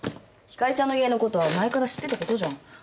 ひかりちゃんの家のことは前から知ってたことじゃん。